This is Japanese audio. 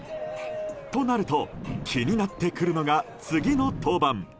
となると、気になってくるのが次の登板。